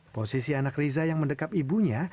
posisi anak riza yang mendekat ibunya